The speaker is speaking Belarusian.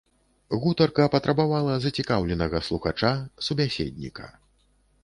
Гутарка патрабавала зацікаўленага слухача, субяседніка.